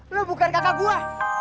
lo bukan kakak gue